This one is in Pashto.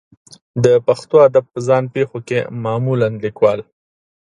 د پښتو ادب په ځان پېښو کې معمولا لیکوال